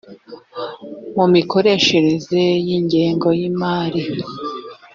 mu mikoreshereze y ingengo y imari